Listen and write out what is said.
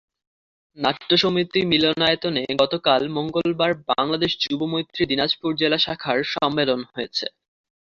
নাট্য সমিতি মিলনায়তনে গতকাল মঙ্গলবার বাংলাদেশ যুব মৈত্রী দিনাজপুর জেলা শাখার সম্মেলন হয়েছে।